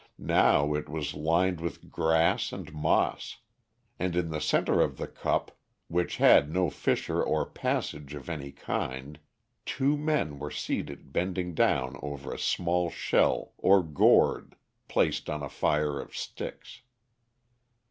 Now it was lined with grass and moss, and in the center of the cup, which had no fissure or passage of any kind, two men were seated bending down over a small shell or gourd placed on a fire of sticks.